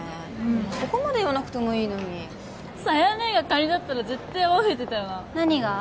あそこまで言わなくてもいいのにさや姉がカニだったら絶対泡吹いてたよな何が？